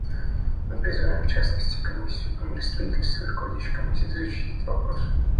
Мы призываем, в частности, Комиссию по миростроительству и Руководящий комитет изучить этот вопрос.